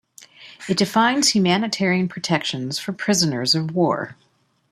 It defines humanitarian protections for prisoners of war.